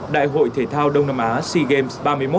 đại hội thể thao đông nam á sea games ba mươi một